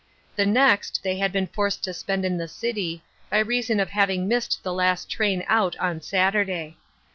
The next they had been forced to spend in the city, by reason of having missed the last train out on Saturday.